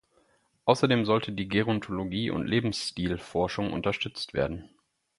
Außerdem sollte die Gerontologie- und Lebensstilforschung unterstützt werden.